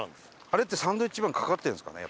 あれってサンドウィッチマンかかってるんですかね？